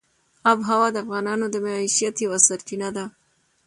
آب وهوا د افغانانو د معیشت یوه سرچینه ده.